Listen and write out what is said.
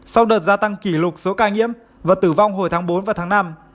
sau đợt gia tăng kỷ lục số ca nhiễm và tử vong hồi tháng bốn và tháng năm